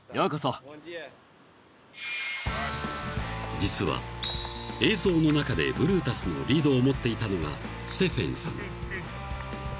［実は映像の中でブルータスのリードを持っていたのがステフェンさん］